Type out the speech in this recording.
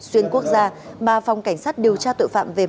xuyên quốc gia mà phòng cảnh sát điều tra tội phạm về ma túy liên tỉnh